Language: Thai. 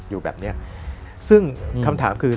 อยู่แบบเนี้ยซึ่งคำถามคือ